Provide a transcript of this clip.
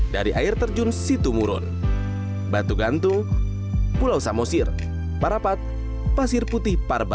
dari air terjun situmurun batu gantung pulau samosir parapat pasir putih parbaba dan lam hotua